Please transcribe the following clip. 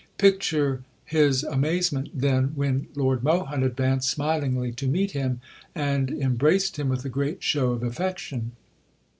Picture his amazement then when Lord Mohun advanced smilingly to meet him, and embraced him with a great show of affection.